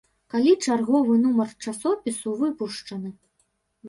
Калі чарговы нумар часопісу выпушчаны.